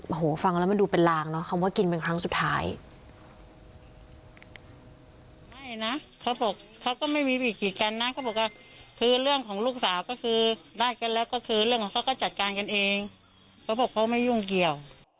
โอ้โหฟังแล้วมันดูเป็นลางเนอะคำว่ากินเป็นครั้งสุดท้าย